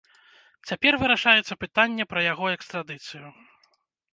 Цяпер вырашаецца пытанне пра яго экстрадыцыю.